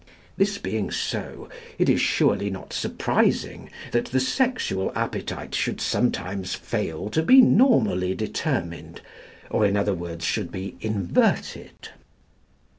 This being so, it is surely not surprising that the sexual appetite should sometimes fail to be normally determined, or in other words should be inverted.